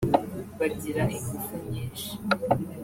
bagira ingufu nyinshi